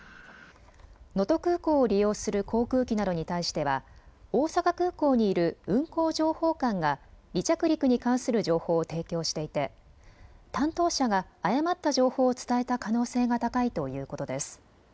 能登空港を利用する航空機などに対しては大阪空港にいる運航情報官が離着陸に関する情報を提供していて担当者が誤った情報を伝えた可能性が高いということです。